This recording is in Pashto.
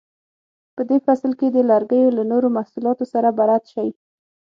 په دې فصل کې به د لرګیو له نورو محصولاتو سره بلد شئ.